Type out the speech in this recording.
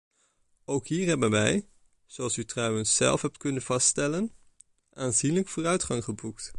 Ook hier hebben wij, zoals u trouwens zelf hebt kunnen vaststellen, aanzienlijke vooruitgang geboekt.